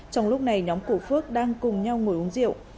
trong lúc này nhóm của phước đang cùng nhau ngồi uống rượu